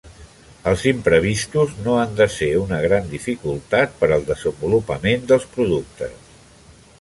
Els imprevistos no han de ser una gran dificultat per al desenvolupament dels productes.